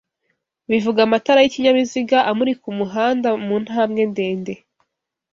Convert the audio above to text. bivuga amatara y'ikinyabiziga amurika umuhanda mu ntambwe ndende